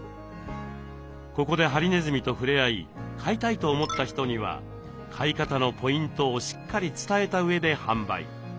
ここでハリネズミとふれあい飼いたいと思った人には飼い方のポイントをしっかり伝えたうえで販売。